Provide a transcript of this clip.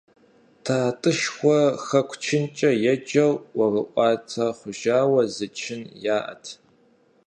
ТатӀышхэ «хэку чынкӏэ» еджэу, ӀуэрыӀуатэ хъужауэ зы чын яӀэт.